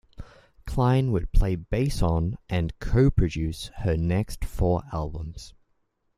Klein would play bass on and co-produce her next four albums.